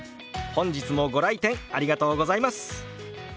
本日もご来店ありがとうございます。